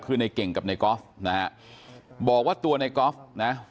คือในเก่งกับไนก๊อฟนะฮะบอกว่าตัวไนก๊อฟนะ